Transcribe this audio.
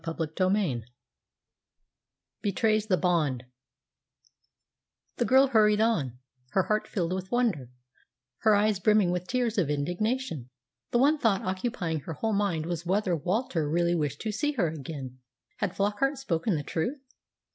CHAPTER XXVII BETRAYS THE BOND The girl hurried on, her heart filled with wonder, her eyes brimming with tears of indignation. The one thought occupying her whole mind was whether Walter really wished to see her again. Had Flockart spoken the truth?